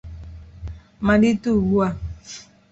malite ugbu a.